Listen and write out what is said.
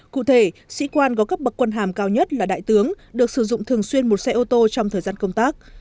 cụ thể sĩ quan có cấp bậc quân hàm cao nhất là đại tướng được sử dụng thường xuyên một xe ô tô trong thời gian công tác